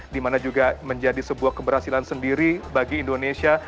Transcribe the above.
di mana juga menjadi sebuah keberhasilan sendiri bagi indonesia